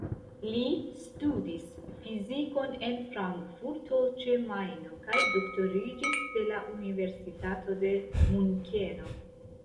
Li studis fizikon en Frankfurto ĉe Majno kaj doktoriĝis de la Universitato de Munkeno.